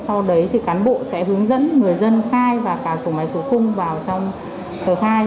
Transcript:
sau đấy thì cán bộ sẽ hướng dẫn người dân khai và cả số máy số khung vào trong tờ khai